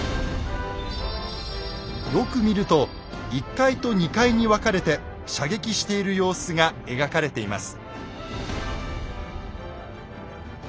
よく見ると１階と２階に分かれて射撃している様子が描かれています。